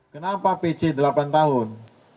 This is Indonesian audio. kenapa pc delapan tahun